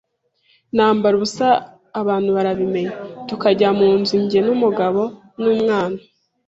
nambara ubusa abantu barabimenya, tukajya mu nzu njye n’umugabo n’umwana